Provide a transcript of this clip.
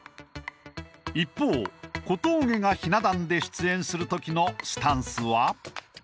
一方小峠がひな壇で出演する時のスタンスは？